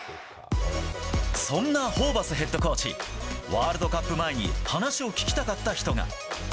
そんなホーバスヘッドコーチ、ワールドカップ前に話を聞きたかった人が。